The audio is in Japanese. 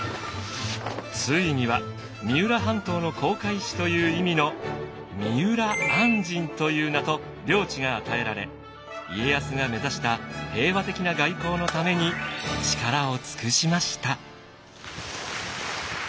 ついには三浦半島の航海士という意味の三浦按針という名と領地が与えられ家康が目指した平和的な外交のために力を尽くしました。